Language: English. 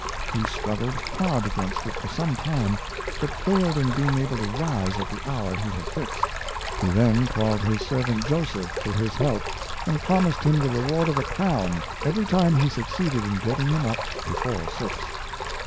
He struggled hard against it for some time, but failed in being able to rise at the hour he had fixed. He then called his servant, Joseph, to his help, and promised him the reward of a crown every time he succeeded in getting him up before six.